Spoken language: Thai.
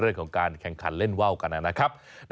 เรื่องของการแข่งขันเล่นว่าวกันนะครับ